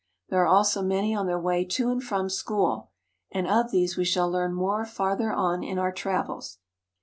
There are also many on their way to and from school, and of these we shall learn more farther on in our travels.